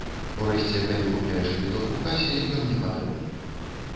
Урэшце, калі купляеш квіток у касе, ён не патрэбны.